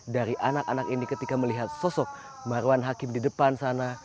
dari anak anak ini ketika melihat sosok marwan hakim di depan sana